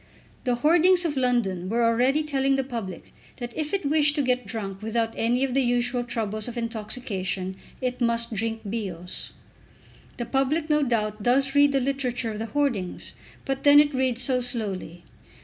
The hoardings of London were already telling the public that if it wished to get drunk without any of the usual troubles of intoxication it must drink Bios. The public no doubt does read the literature of the hoardings, but then it reads so slowly!